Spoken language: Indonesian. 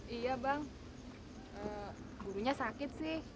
iya bang gurunya sakit sih